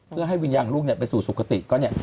เพื่อให้วิญญาณของลูกไปสู่สุขติก็เนี่ย